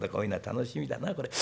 楽しみだなこれ。